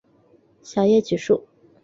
小叶榉树